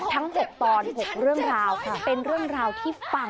แต่อันอื่นก็เป็นเรื่องทุกไป